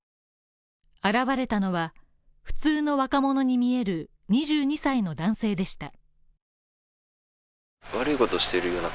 現れたのは、普通の若者に見える２２歳の男性でした。